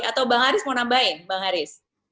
atau bang haris mau nambahin bang haris